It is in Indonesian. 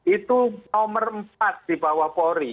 itu nomor empat di bawah polri